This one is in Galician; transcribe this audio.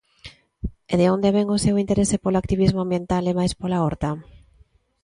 E de onde vén o seu interese polo activismo ambiental e mais pola horta?